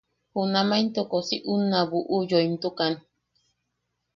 Junama intoko si unna buʼu yoimtukan.